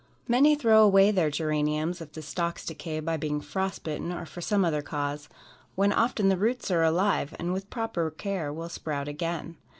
Many throw away their geraniums, if the stalks decay by being frost bitten or for some other cause, when often the roots are alive, and with proper care will sprout again.